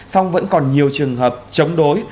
xong vẫn còn nhiều trường hợp chống đối